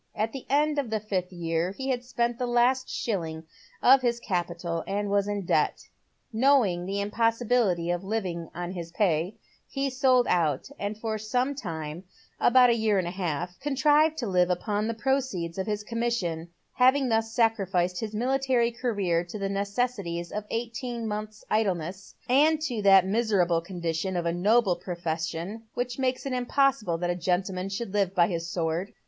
At the end of the fifth year he had spent the last shilling of his capital, and was in debt. Knowing the impossi bility of living on his pay, he sold out, and for some time — about a year and a half — contrived to live upon the proceeds of his commission, having thus sacrificed his military career to the necessities of eighteen months' idleness, and to that miserable condition of a noble profession which makes it impossible that a gentleman should live by his sword.